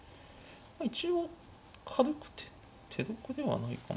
一応軽くて手得ではないか。